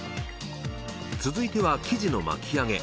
続いては生地の巻き上げ。